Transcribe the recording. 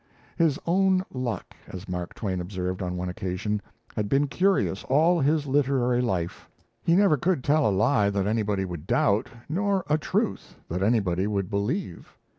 His own luck, as Mark Twain observed on one occasion, had been curious all his literary life. He never could tell a lie that anybody would doubt, nor a truth that anybody would believe.